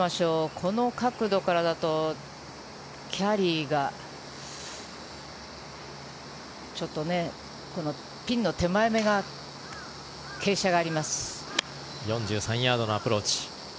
この角度からだとキャリーがちょっとピンの手前が４３ヤードのアプローチ。